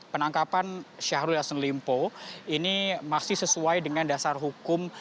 penangkapan syahrul yassin limpo ini masih sesuai dengan dasar hukum